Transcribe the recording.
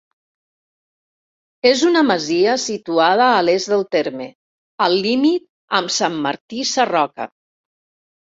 És una masia situada a l'est del terme, al límit amb Sant Martí Sarroca.